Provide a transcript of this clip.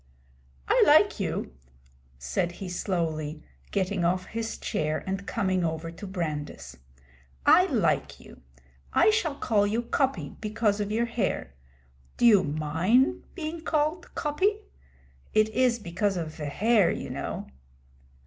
'I like you,' said he slowly, getting off his chair and coming over to Brandis. 'I like you. I shall call you Coppy, because of your hair. Do you mind being called Coppy? It is because of ve hair, you know.'